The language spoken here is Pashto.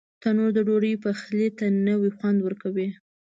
تنور د ډوډۍ پخلي ته نوی خوند ورکوي